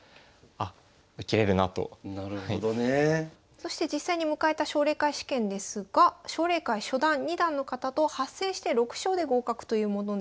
そして実際に迎えた奨励会試験ですが奨励会初段二段の方と８戦して６勝で合格というものでした。